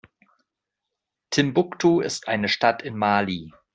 Timbuktu ist eine Stadt in Mali.